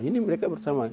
ini mereka bersama